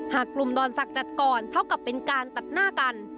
หากกลุ่มดอนศักดิ์จัดก่อนเท่ากับเป็นการตัดหน้ากัน